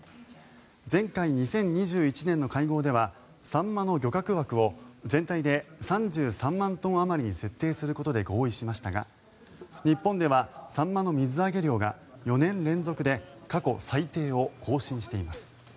前回２０２１年の会合ではサンマの漁獲枠を全体で３３万トンあまりに設定することで合意しましたが日本ではサンマの水揚げ量が４年連続で過去最低を更新しています。